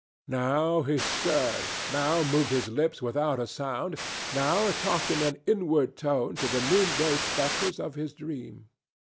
Now he stirred, now moved his lips without a sound, now talked in an inward tone to the noonday spectres of his dream.